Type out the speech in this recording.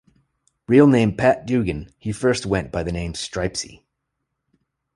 Real name Pat Dugan, he first went by the name Stripesy.